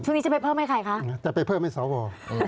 ช่วงนี้จะไปเพิ่มให้ใครคะจะไปเพิ่มให้สาววอร์